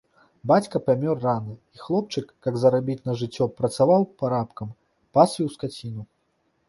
Бацька памёр рана, і хлопчык, как зарабіць на жыццё, працаваў парабкам, пасвіў скаціну.